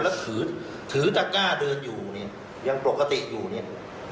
แล้วถือถือตะก้าเดินอยู่เนี่ยยังปกติอยู่เนี่ย